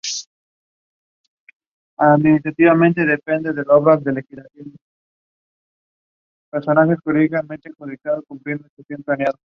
Se encuentra en el sur del territorio en disputa del Sahara Occidental.